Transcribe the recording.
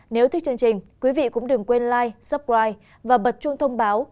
nếu thích chương trình quý vị cũng đừng quên like subscribe và bật chuông thông báo